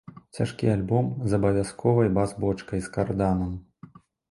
Цяжкі альбом з абавязковай бас-бочкай з карданам.